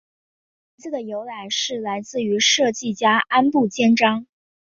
名字的由来是来自于设计家安部兼章。